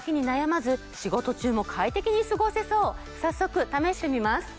早速試してみます。